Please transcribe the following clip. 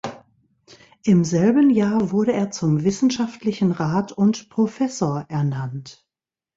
Im selben Jahr wurde er zum Wissenschaftlichen Rat und Professor ernannt.